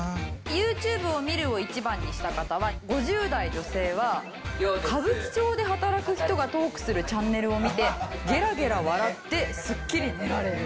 「ユーチューブを見る」を１番にした方は５０代女性は歌舞伎町で働く人がトークするチャンネルを見てゲラゲラ笑ってスッキリ寝られる。